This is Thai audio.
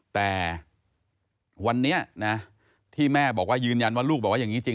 แต่วันนี้นะที่แม่บอกว่ายืนยันว่าลูกบอกว่าอย่างนี้จริง